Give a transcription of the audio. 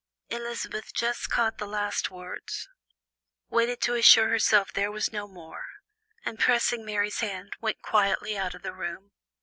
Elizabeth just caught the last words, waited to assure herself there was no more, and pressing Mary's hand, went quietly out of the room.